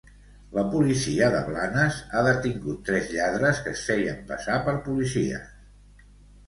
La policia de Blanes ha detingut tres lladres que es feien passar per policies.